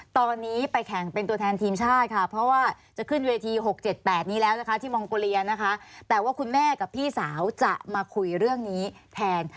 ตอนนี้ไปแข่งเป็นตัวแทนทีมชาติค่ะเพราะว่าจะขึ้นเวที๖๗๘นี้แล้วนะคะที่มองโกเลียนะคะแต่ว่าคุณแม่กับพี่สาวจะมาคุยเรื่องนี้แทน